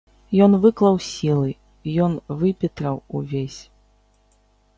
Ён выклаў сілы, ён выпетраў увесь.